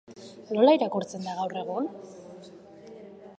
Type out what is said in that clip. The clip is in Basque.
Nola irakurtzen da gaur egun?